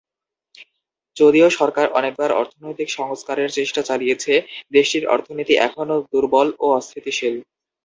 যদিও সরকার অনেকবার অর্থনৈতিক সংস্কারের চেষ্টা চালিয়েছে, দেশটির অর্থনীতি এখনও দুর্বল ও অস্থিতিশীল।